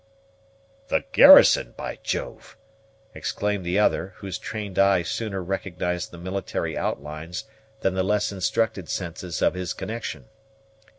"The garrison, by Jove!" exclaimed the other, whose trained eye sooner recognized the military outlines than the less instructed senses of his connection.